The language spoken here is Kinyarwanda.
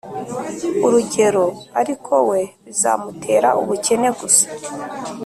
Urugero ariko we bizamutera ubukene gusa